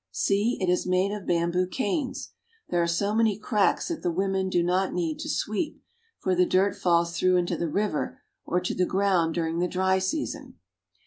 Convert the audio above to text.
See, it is made of bamboo canes. There are so many cracks that the women do not need to sweep, for the dirt falls through into the river, or to the ground during the dry season.